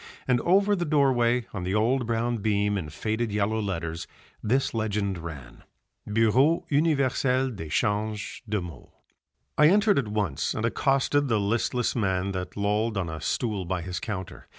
And over the doorway on the old brown beam in faded yellow letters this legend ran, Bureau Universel d'Echanges de Maux. I entered at once and accosted the listless man that lolled on a stool by his counter.